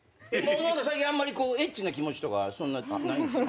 最近あんまりエッチな気持ちとかそんなないんですか？